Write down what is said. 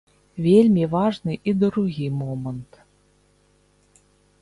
Вельмі важны і другі момант.